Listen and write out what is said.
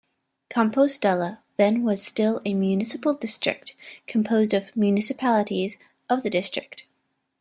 Compostela then was still a municipal district composed of municipalities of the district.